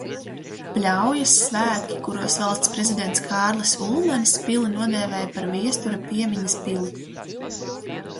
Pļaujas svētki, kuros Valsts prezidents Kārlis Ulmanis pili nodēvēja par Viestura piemiņas pili.